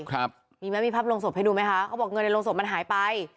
ครับมีไหมมีภาพลงศพให้ดูไหมคะเขาบอกเงินในโรงศพมันหายไป